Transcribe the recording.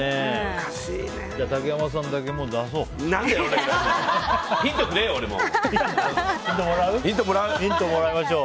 竹山さんだけ出そう。